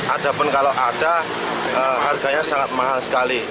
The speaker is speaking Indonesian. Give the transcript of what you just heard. ada pun kalau ada harganya sangat mahal sekali